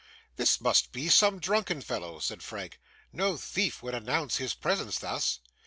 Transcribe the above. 'This must be some drunken fellow,' said Frank. 'No thief would announce his presence thus.